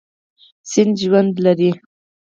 سیند ژوند لري.